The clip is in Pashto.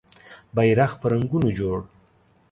بېرغ په رنګونو جوړ